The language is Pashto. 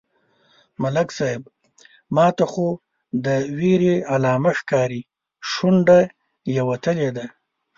_ملک صيب! ماته خو د وېرې علامه ښکاري، شونډه يې وتلې ده.